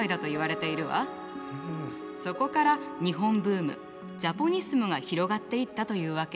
そこから日本ブームジャポニスムが広がっていったというわけ。